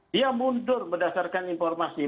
dia mundur berdasarkan informasi